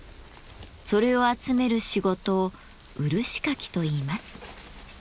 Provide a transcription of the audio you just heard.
それを集める仕事を漆かきといいます。